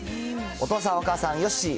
お父さん、お母さん、よっしー！